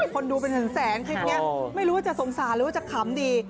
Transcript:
คนดูเป็นหนึ่งแสนคลิปนี้ไม่รู้จะสงสารหรือจะขำดี